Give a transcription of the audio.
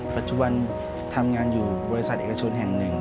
ปัจจุบันทำงานอยู่บริษัทเอกชนแห่งหนึ่ง